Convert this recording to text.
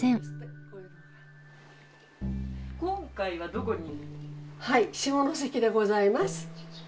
今回はどこに？